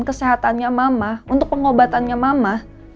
kesehatannya mama untuk pengobatannya mama